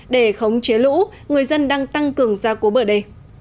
để khống chế lũ người dân đang tăng cường gia cố bờ đê